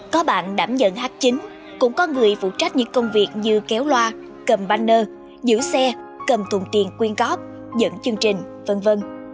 có bạn đảm nhận hát chính cũng có người phụ trách những công việc như kéo loa cầm banner giữ xe cầm thùng tiền quyên góp dẫn chương trình v v